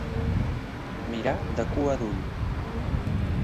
Mirar de cua d'ull.